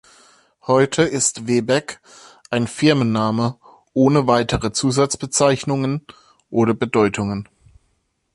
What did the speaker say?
Heute ist „Vebeg“ ein Firmenname ohne weitere Zusatzbezeichnungen oder Bedeutungen.